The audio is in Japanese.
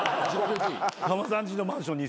さんまさんちのマンションに？